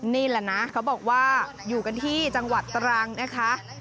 นี่แหละนะเขาบอกว่าอยู่กันที่จังหวัดตรังนะคะ